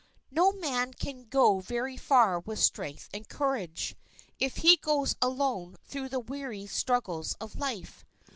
No man can go very far with strength and courage, if he goes alone through the weary struggles of life.